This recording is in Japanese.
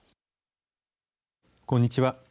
こんにちは。